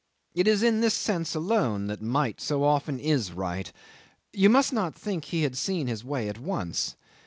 It is in this sense alone that might so often is right. You must not think he had seen his way at once.